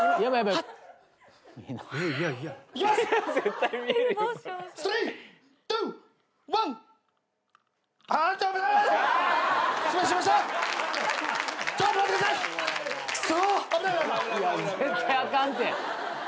絶対あかんって！